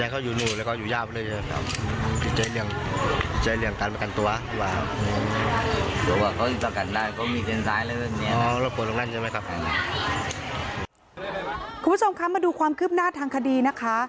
คุณผู้ชมคะมาดูความคืบหน้าทางคดีนะคะ